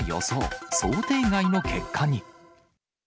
想定外の結果に。